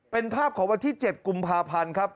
เป็นภาพของวันที่๗กุมภาพันธ์ครับ